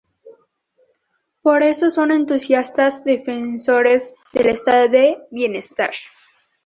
Por eso son entusiastas defensores del Estado de bienestar.